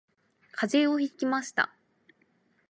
風邪をひきました